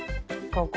ここ？